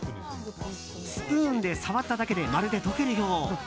スプーンで触っただけでまるで溶けるよう。